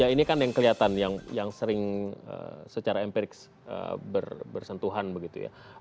baik therenya alright